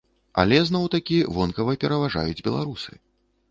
Але, зноў-такі, вонкава пераважаюць беларусы.